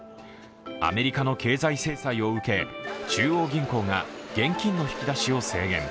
アメリカの経済制裁を受け中央銀行が現金の引き出しを制限。